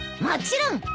もちろん。